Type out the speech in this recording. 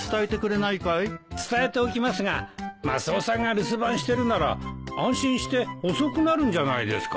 伝えておきますがマスオさんが留守番してるなら安心して遅くなるんじゃないですか？